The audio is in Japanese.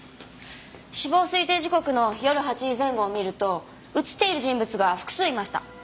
死亡推定時刻の夜８時前後を見ると映っている人物が複数いました。